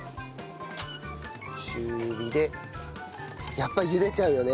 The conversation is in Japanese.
やっぱり茹でちゃうよね